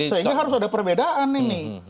sehingga harus ada perbedaan ini